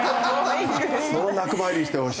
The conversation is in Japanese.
その仲間入りしてほしい。